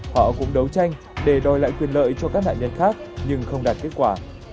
họ cũng đấu tranh để đòi lại quyền lợi cho các nạn nhân khác nhưng không đạt kết quả